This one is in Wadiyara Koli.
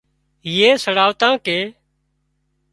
هيئي سڙاواتان ڪي